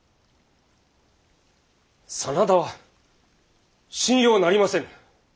真田は信用なりませぬ。